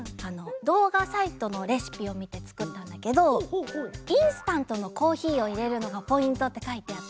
どうがサイトのレシピをみてつくったんだけど「インスタントのコーヒーをいれるのがポイント」ってかいてあって。